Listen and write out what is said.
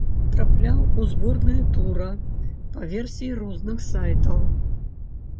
Трапляў у зборныя тура па версіі розных сайтаў.